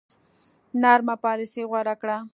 نرمه پالیسي غوره کړه.